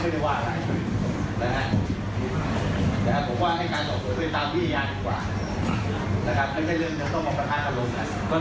ผมหวังให้เจ็บไภทางเพราะบุญการ